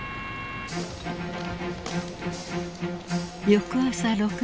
［翌朝６時］